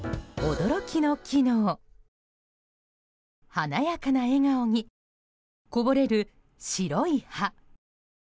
華やかな笑顔にこぼれる白い歯。